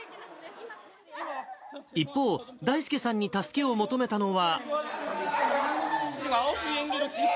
一方、だいすけさんに助けを求めたのは。